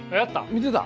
見てた？